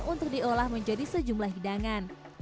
untuk diolah menjadi sejumlah hidangan